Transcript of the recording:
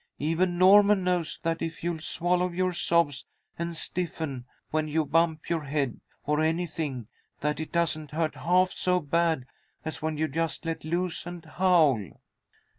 Even Norman knows that if you'll swallow your sobs and stiffen when you bump your head, or anything, that it doesn't hurt half so bad as when you just let loose and howl."